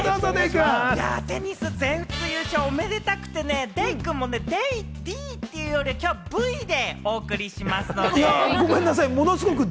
テニス全仏優勝がおめでたくてね、デイくんもＤというより、きょうはＶでお送りしますので。